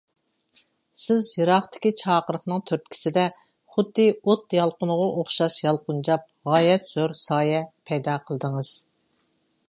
سىز يىراقتىكى چاقىرىقنىڭ تۈرتكىسىدە، خۇددى ئوت يالقۇنىغا ئوخشاش يالقۇنجاپ، غايەت زور سايە پەيدا قىلدىڭىز.